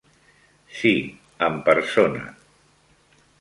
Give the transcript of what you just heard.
Sí, en persona.